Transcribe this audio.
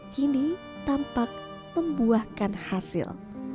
kini tampak membuahkan hasil